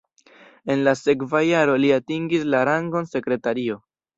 En la sekva jaro li atingis la rangon sekretario.